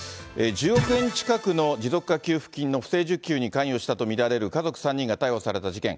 １０億円近くの持続化給付金の不正受給に関与したと見られる家族３人が逮捕された事件。